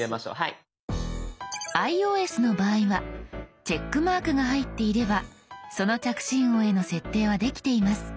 ｉＯＳの場合はチェックマークが入っていればその着信音への設定はできています。